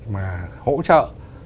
mà hỗ trợ